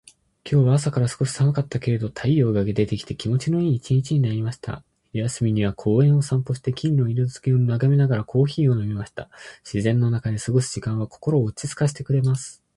今日は朝から少し寒かったけれど、太陽が出てきて気持ちのいい一日になりました。昼休みには公園を散歩して、木々の色づきを眺めながらコーヒーを飲みました。自然の中で過ごす時間は心を落ち着かせてくれます。